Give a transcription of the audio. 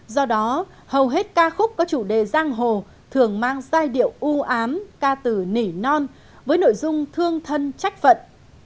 do đó hầu hết ca khúc có chủ đề giang hồ thường mang giai điệu u ám ca từ nỉ non với nội dung thương thân trách vận